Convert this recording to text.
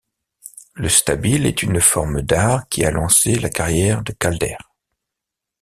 Le stabile est une forme d'art qui a lancé la carrière de Calder.